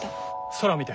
空を見て。